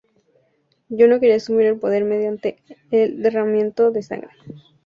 Yo no quería asumir el poder mediante el derramamiento de sangre".